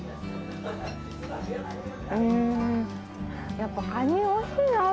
やっぱカニおいしいな。